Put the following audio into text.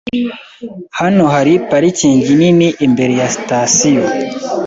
Hano hari parikingi nini imbere ya sitasiyo.